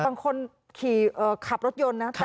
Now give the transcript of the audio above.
บางคนขี่ขับรถยนต์นะ